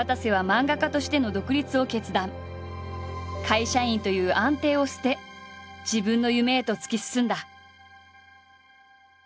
会社員という安定を捨て自分の夢へと突き進んだ。